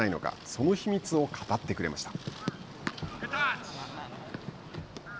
その秘密を語ってくれました。